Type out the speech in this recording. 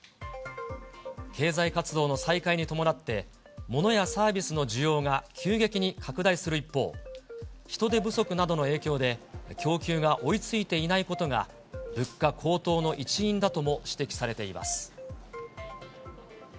経済活動の再開に伴って、ものやサービスの需要が急激に拡大する一方、人手不足などの影響で、供給が追いついていないことが、物価高騰の一因だとも指摘されています。